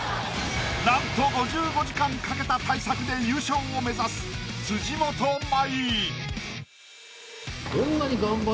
なんと５５時間かけた大作で優勝を目指す辻元舞。